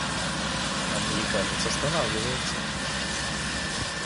Американец останавливается.